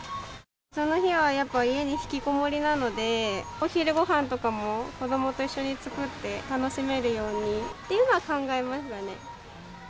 その日はやっぱ家に引きこもりなので、お昼ごはんとかも、子どもと一緒に作って、楽しめるようにっていうのは考えますよね。